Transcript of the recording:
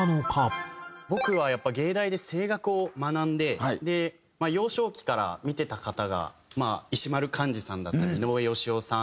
僕はやっぱ藝大で声楽を学んで幼少期から見てた方が石丸幹二さんだったり井上芳雄さん